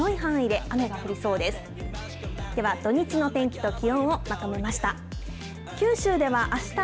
では、土日の天気と気温をまとめました。